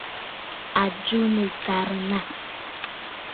À jɨ nɨ̀karə̀ nâ.